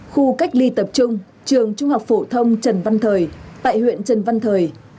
khu cách ly tập trung trường trung học phổ thông trần văn thời tại huyện trần văn thời